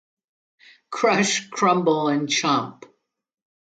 Crush, Crumble and Chomp!